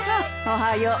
おはよう。